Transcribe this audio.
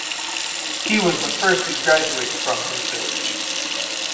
He was the first graduate from his village.